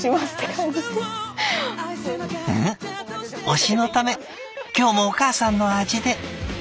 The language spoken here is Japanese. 「推し」のため今日もお母さんの味で。